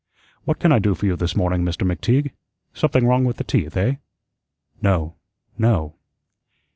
"What can I do for you this morning, Mister McTeague? Something wrong with the teeth, eh?" "No, no."